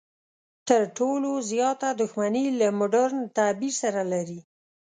تر ټولو زیاته دښمني له مډرن تعبیر سره لري.